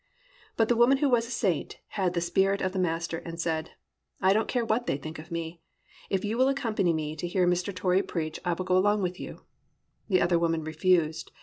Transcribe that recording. But the woman who was a saint had the Spirit of the Master and said, "I don't care what they think of me. If you will accompany me to hear Mr. Torrey preach I will go along with you." The other woman refused.